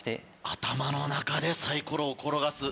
頭の中でサイコロを転がす。